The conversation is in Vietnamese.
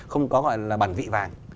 không có gọi là bản vị vàng